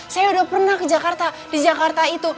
saya udah pernah ke jakarta di jakarta itu